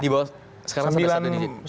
di bawah sekarang sampai satu digit